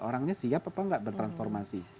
orangnya siap apa enggak bertransformasi